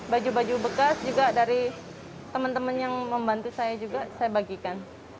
baju baju bekas juga dari teman teman yang membantu saya juga saya bagikan